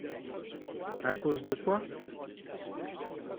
À cause de quoi ?